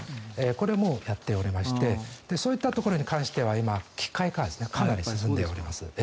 これもやっておりましてそういったところに関しては今、機械化がかなり進んでおります。